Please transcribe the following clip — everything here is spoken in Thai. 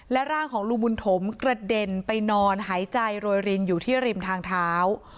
ร่างของลุงบุญถมกระเด็นไปนอนหายใจโรยรินอยู่ที่ริมทางเท้า